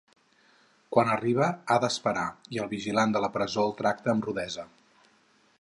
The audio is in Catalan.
Quan arriba, ha d'esperar i el vigilant de la presó el tracta amb rudesa.